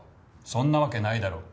そんなわけないだろう。